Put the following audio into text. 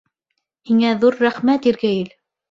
Һиңә ҙур рәхмәт, Иргәйел!